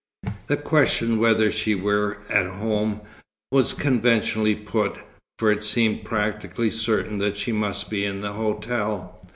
The question whether she were "at home" was conventionally put, for it seemed practically certain that she must be in the hotel.